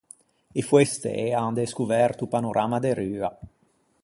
I foestê an descoverto o panorama de Rua.